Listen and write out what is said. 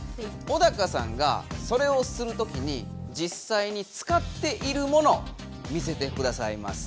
小高さんがそれをするときにじっさいに使っているもの見せてくださいます。